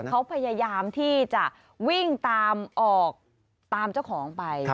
เขาพยายามที่จะวิ่งตามออกตามเจ้าของไป